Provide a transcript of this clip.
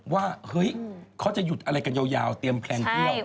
ว่าเฮ้ยเขาจะหยุดอะไรกันยาวเตรียมแพลนเที่ยว